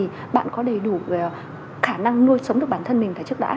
thì bạn có đầy đủ khả năng nuôi sống được bản thân mình thật chất đã